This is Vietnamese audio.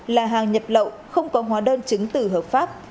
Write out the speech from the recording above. là hàng nhập lậu không có hóa đơn chứng từ hợp pháp